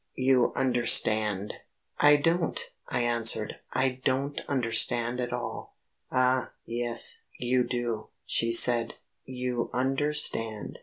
You understand." "I don't," I answered, "I don't understand at all." "Ah, yes, you do," she said, "you understand...."